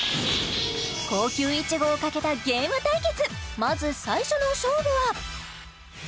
高級いちごをかけたゲーム対決